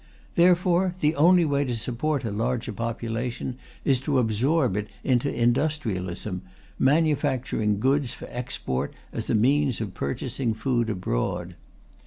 Therefore the only way to support a larger population is to absorb it into industrialism, manufacturing goods for export as a means of purchasing food abroad.